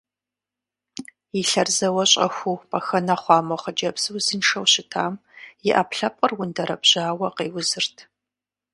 И лъэр зэуэ щӏэхуу пӏэхэнэ хъуа мо хъыджэбз узыншэу щытам и ӏэпкълъэпкъыр ундэрэбжьауэ къеузырт.